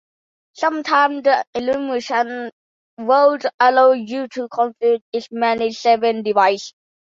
Sometimes the emulation would allow you to configure as many as seven devices.